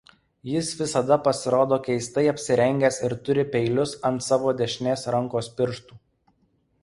Jis visada pasirodo keistai apsirengęs ir turi peilius ant savo dešinės rankos pirštų.